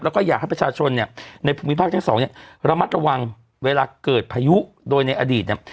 แล้วก็อยากให้ประชาชนเนี่ยในภูมิภาคทั้งสองเนี่ยระมัดระวังเวลาเกิดพายุโดยในอดีตเนี่ย